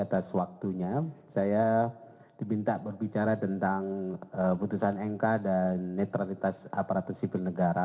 atas waktunya saya diminta berbicara tentang putusan mk dan netralitas aparatur sipil negara